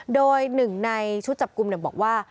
โดยหนึ่งในชุดจับกลุ่มบอกว่า